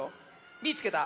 「みいつけた！